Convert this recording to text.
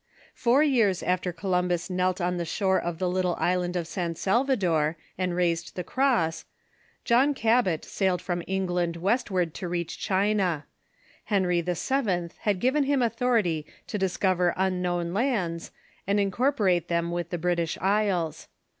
Four years after Columbus knelt on the shore of the little island of San Salvador, and raised the cross, John Cabot sailed from England westward to reaph China. Henry VII. had given him authority to discover unknown lands, and incorporate them with the British Isles.